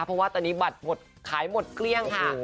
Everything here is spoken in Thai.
เพราะว่าตอนนี้บัตรหมดขายหมดเกลี้ยงค่ะ